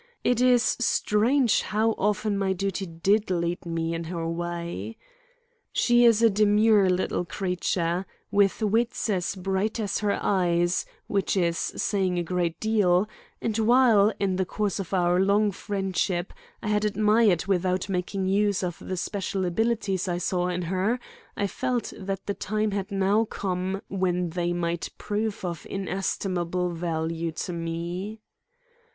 It is strange how often my duty did lead me in her way. She is a demure little creature, with wits as bright as her eyes, which is saying a great deal; and while, in the course of our long friendship, I had admired without making use of the special abilities I saw in her, I felt that the time had now come when they might prove of inestimable value to me.